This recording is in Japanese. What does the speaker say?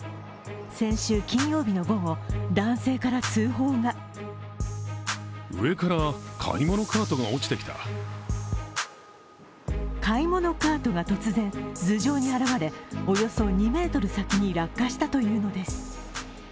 先週金曜日の午後男性から通報が買い物カートが突然頭上に現れおよそ２ｍ先に落下したというのです。